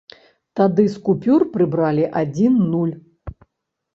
Тады з купюр прыбралі адзін нуль.